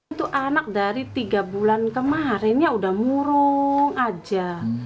itu anak dari tiga bulan kemarin ya udah murung aja